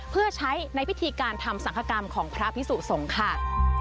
เพื่อใช้ในพิธีการทำสังคกรรมของพระพิสุสงฆ์ค่ะ